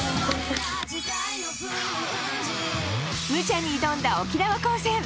「ムチャ」に挑んだ沖縄高専。